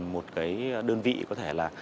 một đơn vị có thể là